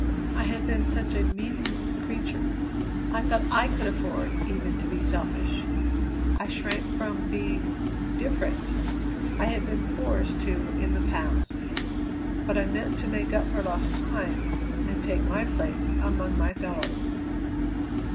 I had been such a meaningless creature, I thought I could afford even to be selfish. I shrank from being different I had been forced to in the past but I meant to make up for lost time and take my place among my fellows.